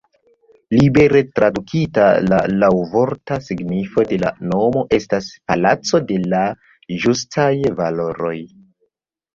Libere tradukita, la laŭvorta signifo de la nomo estas: "Palaco de la Ĝustaj Valoroj".